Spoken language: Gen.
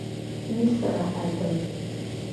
Mi sra adome.